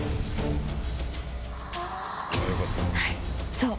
そう！